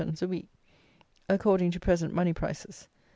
_ a week, according to present money prices.